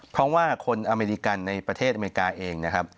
เพราะว่าคนอเมริกันในประเทศอเมริกาเองนะครับ